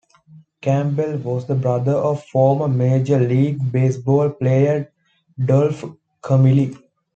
Campbell was the brother of former Major League Baseball player Dolph Camilli.